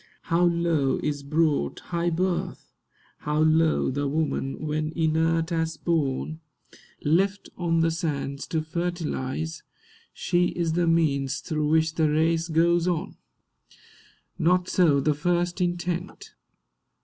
How low is brought high birth! How low the woman; when, inert as spawn Left on the sands to fertilise, She is the means through which the race goes on! Not so the first intent.